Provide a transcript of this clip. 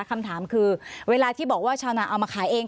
คำถามคือเวลาที่บอกว่าชาวนาเอามาขายเอง